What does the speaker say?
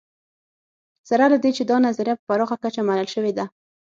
سره له دې چې دا نظریه په پراخه کچه منل شوې ده